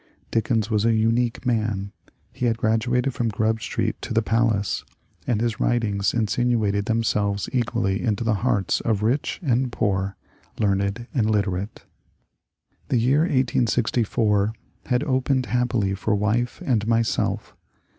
Dickens was a unique man. He had graduated from Ghrub Street to the palace, and his writings insinuated themselves equally into the hearts of rich and poor, learned and illiterate. The year 1864 had opened happily for wife and myself.